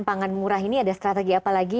pangan murah ini ada strategi apa lagi